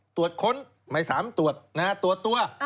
ตรวจค้นไม่๓ตรวจนะฮะตรวจตัว